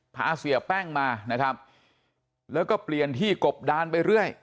พาเสียแป้งมานะครับแล้วก็เปลี่ยนที่กบดานไปเรื่อย